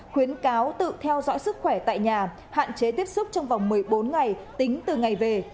khuyến cáo tự theo dõi sức khỏe tại nhà hạn chế tiếp xúc trong vòng một mươi bốn ngày tính từ ngày về